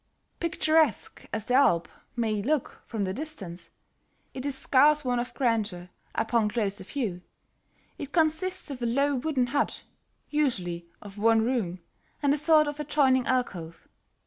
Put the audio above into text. Picturesque as the "alp" may look from the distance, it is scarce one of grandeur upon closer view. It consists of a low wooden hut, usually of one room, and a sort of adjoining alcove.